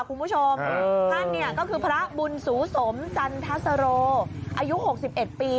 คุณผู้ชมท่านเนี่ยก็คือพระบุญสูสมจันทสโรอายุ๖๑ปี